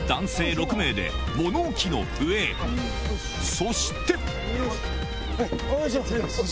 そして！